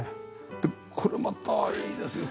これまたいいですね。